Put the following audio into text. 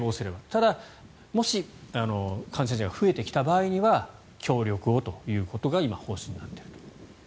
ただ、もし感染者が増えてきた場合には協力をということが今、方針になっている。